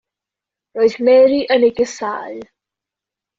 Roedd Mary yn ei gasáu.